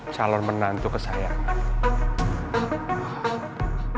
calon menantu kesayangan